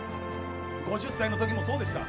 ５０歳の時もそうでした。